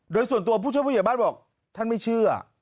โดยส่วนตัวผู้ช่วยผู้ใหญ่บ้านบอกท่านไม่เชื่อ